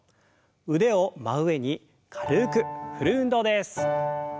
腕を真上に軽く振る運動です。